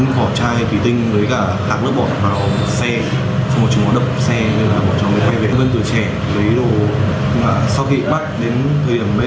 xong rồi chúng nó đập xe bọn cháu mới quay về